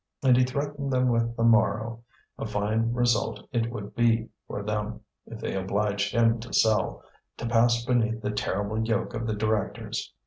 And he threatened them with the morrow; a fine result it would be for them, if they obliged him to sell, to pass beneath the terrible yoke of the directors!